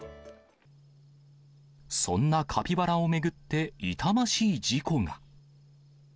そんなカピバラを巡って、痛ましい事故が。